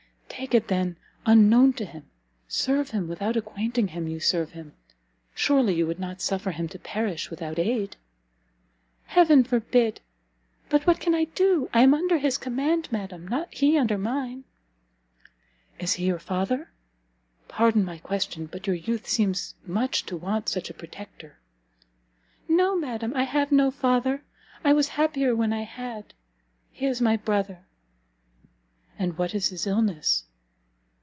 "Take it, then, unknown to him; serve him without acquainting him you serve him. Surely you would not suffer him to perish without aid?" "Heaven forbid! But what can I do? I am under his command, madam, not he under mine!" "Is he your father? Pardon my question, but your youth seems much to want such a protector." "No, madam, I have no father! I was happier when I had! He is my brother." "And what is his illness?"